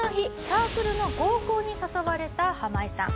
サークルの合コンに誘われたハマイさん。